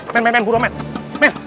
men men men buruan men men